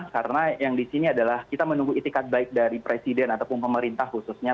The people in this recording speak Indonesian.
karena yang disini adalah kita menunggu itikat baik dari presiden ataupun pemerintah khususnya